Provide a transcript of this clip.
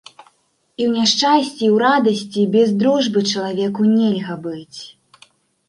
І ў няшчасці, і ў радасці без дружбы чалавеку нельга быць.